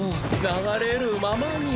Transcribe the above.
流れるままに。